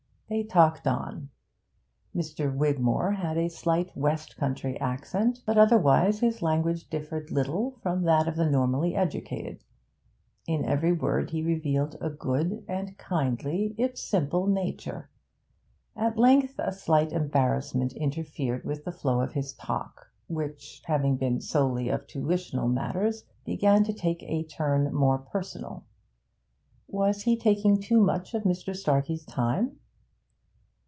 They talked on. Mr. Wigmore had a slight west country accent, but otherwise his language differed little from that of the normally educated; in every word he revealed a good and kindly, if simple, nature. At length a slight embarrassment interfered with the flow of his talk, which, having been solely of tuitional matters, began to take a turn more personal. Was he taking too much of Mr. Starkey's time?